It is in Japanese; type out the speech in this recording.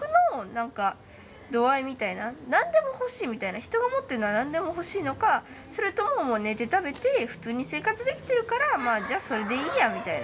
「何でも欲しい」みたいな人が持ってるのは何でも欲しいのかそれとも「もう寝て食べて普通に生活できてるからまあじゃあそれでいいや」みたいな。